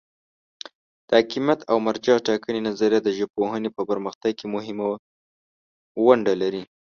د حاکمیت او مرجع ټاکنې نظریه د ژبپوهنې په پرمختګ کې مهمه ونډه لري.